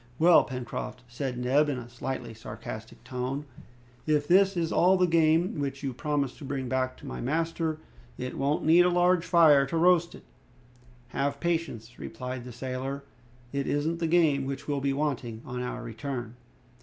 "Well, Pencroft," said Neb, in a slightly sarcastic tone, "if this is all the game which you promised to bring back to my master, it won't need a large fire to roast it!" "Have patience," replied the sailor, "it isn't the game which will be wanting on our return."